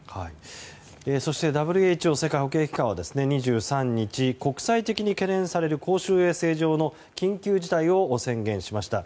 そしてＷＨＯ・世界保健機関は２３日、国際的に懸念される公衆衛生上の緊急事態を宣言しました。